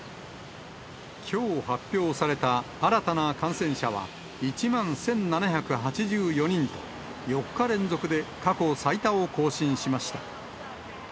きょう発表された新たな感染者は１万１７８４人と、４日連続で過去最多を更新しました。